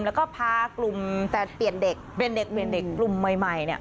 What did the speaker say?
แล้วก็พากลุ่มเปลี่ยนเด็กกลุ่มใหม่